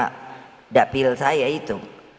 tidak pilih saya itu